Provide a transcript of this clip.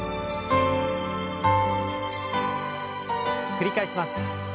繰り返します。